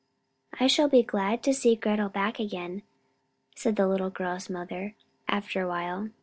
"I shall be glad to see Gretel back again," said the little girl's mother, after a while.